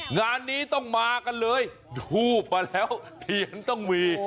งานนี้ต้องมากันเลยทูบมาแล้วเทียนต้องมี